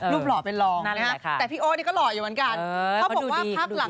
รูปหล่อเป็นรองนะครับแต่พี่โอ้ยก็หล่อยอยู่เหมือนกัน